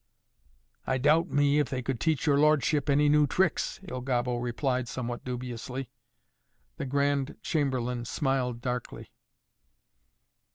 "I doubt me if they could teach your lordship any new tricks," Il Gobbo replied, somewhat dubiously. The Grand Chamberlain smiled darkly.